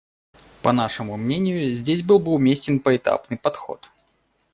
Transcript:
По нашему мнению, здесь был бы уместен поэтапный подход.